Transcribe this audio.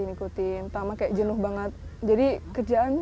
itu berapa lama tuh biru biru gitu